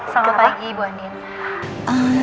selamat pagi ibu andien